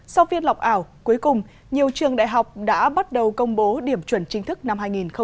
sau phiên lọc ảo cuối cùng nhiều trường đại học đã bắt đầu công bố điểm chuẩn chính thức năm hai nghìn hai mươi